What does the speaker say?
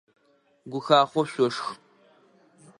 Гухахъоу шъошх!